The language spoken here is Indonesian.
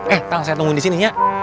eh tang saya temuin di sini ya